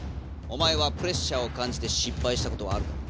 おまえはプレッシャーをかんじて失敗したことはあるか？